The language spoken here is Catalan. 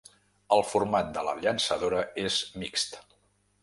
El format de la llançadora és mixt.